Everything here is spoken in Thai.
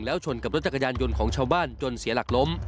แล้วชนกับรถจักรยานยนต์ของชาวบ้านจนเสียหลักล้ม